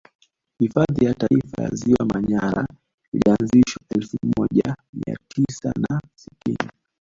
Hifadhi ya Taifa ya ziwa Manyara ilianzishwa elfu moja mia tisa na sitini